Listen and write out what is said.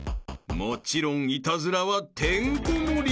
もちろんイタズラはてんこ盛り］